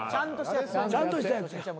ちゃんとしたやつや。